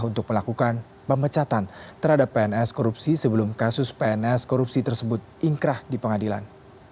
untuk melakukan pemecatan terhadap pns korupsi sebelum kasus pns korupsi tersebut ingkrah di pengadilan